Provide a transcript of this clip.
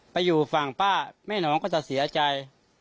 ไปอยู่ฝั่งป้าแม่น้องก็จะเสียใจ